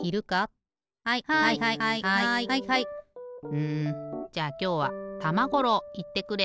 うんじゃあきょうは玉五郎いってくれ！